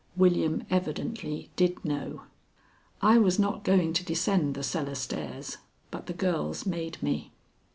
William evidently did know. I was not going to descend the cellar stairs, but the girls made me.